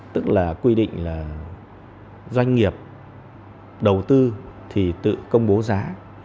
tức là quy định là doanh nghiệp đầu tư thì tự công bố giá